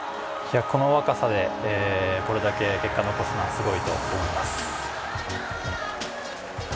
この若さでこれだけ結果残すのはすごいと思います。